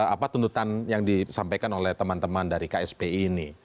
apa tuntutan yang disampaikan oleh teman teman dari kspi ini